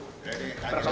jadi ada yang berlaku